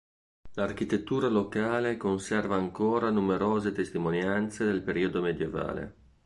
L'architettura locale conserva ancora numerose testimonianze del periodo medievale.